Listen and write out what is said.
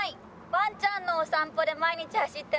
ワンちゃんのお散歩で毎日走ってます。